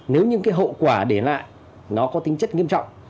nếu những cái hậu quả để lại nó có tính chất nghiêm trọng